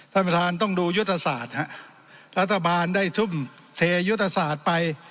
ท่านประธานต้องดูยุทธศาสตร์ฮะรัฐบาลได้ทุ่มเทยุทธศาสตร์ไป